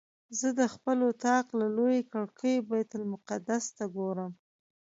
زه د خپل اطاق له لویې کړکۍ بیت المقدس ته ګورم.